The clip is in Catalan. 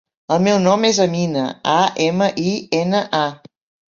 El meu nom és Amina: a, ema, i, ena, a.